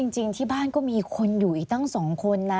จริงที่บ้านก็มีคนอยู่อีกตั้ง๒คนนะ